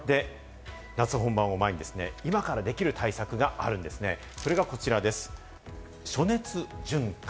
夏本番を前に今からできる対策があるんですね、それがこちらです、暑熱順化。